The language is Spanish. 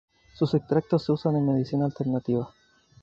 Sus extractos se usan en medicina alternativa.